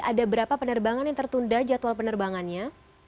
ada berapa penerbangan yang tertunda jadwal penerbangannya